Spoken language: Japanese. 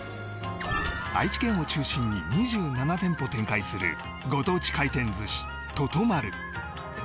愛知県を中心に２７店舗展開するご当地回転寿司魚魚丸